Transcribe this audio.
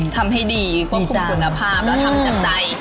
ทำให้ดีกว่าคุณภาพและทำจากใจ